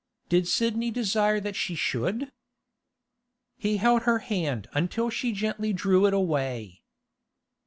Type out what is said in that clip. Did Sidney desire that she should? He held her hand until she gently drew it away.